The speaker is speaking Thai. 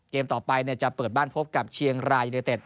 เกมต่อไปจะเปิดบ้านพบกับเชียงรายยูเนเต็ด